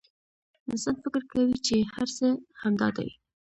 انسان فکر کوي چې هر څه همدا دي.